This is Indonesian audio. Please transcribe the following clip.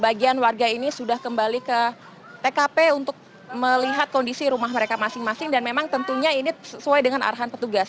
bagian warga ini sudah kembali ke tkp untuk melihat kondisi rumah mereka masing masing dan memang tentunya ini sesuai dengan arahan petugas